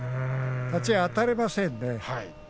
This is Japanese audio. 立ち合い、逸ノ城にあたれませんね。